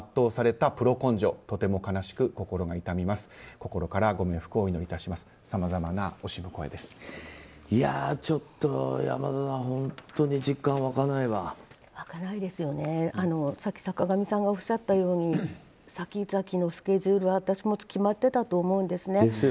さっき坂上さんがおっしゃったように先々のスケジュール私も決まっていたと思うんですね。